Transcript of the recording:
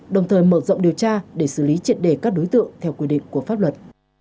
đồng thời mở rộng điều tra để xử lý triệt đề các đối tượng theo quy định của pháp luật